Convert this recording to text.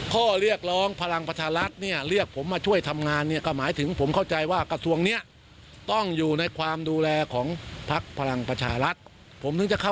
เป็นเรื่องเอามหาดกระทรวงของเขาต่างภพต่างอะไรกัน